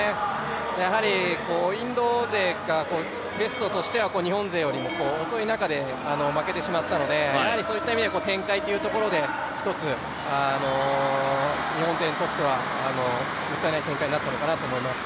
インド勢がベストとしては日本勢よりも遅い中で負けてしまったのでやはりそういった意味では展開というところで一つ日本勢にとってはもったいない展開になったのかなと思います。